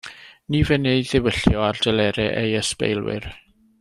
Ni fynn ei ddiwyllio ar delerau ei ysbeilwyr.